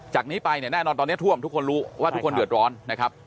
จากนี้ไปเนี่ยแน่นอนตอนนี้ท่วมทุกคนรู้ว่าทุกคนเดือดร้อนนะครับ